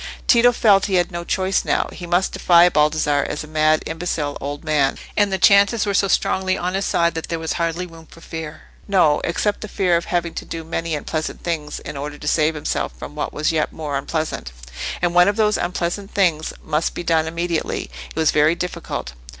Tito felt he had no choice now: he must defy Baldassarre as a mad, imbecile old man; and the chances were so strongly on his side that there was hardly room for fear. No; except the fear of having to do many unpleasant things in order to save himself from what was yet more unpleasant. And one of those unpleasant things must be done immediately: it was very difficult.